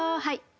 はい。